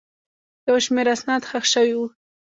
یو شمېر اسناد ښخ شوي وو.